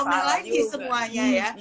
nanti ramai lagi semuanya ya